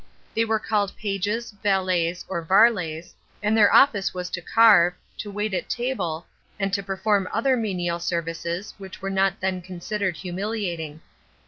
They were called pages, valets, or varlets, and their office was to carve, to wait at table, and to perform other menial services, which were not then considered humiliating.